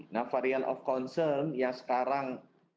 nah varian of concern yang sekarang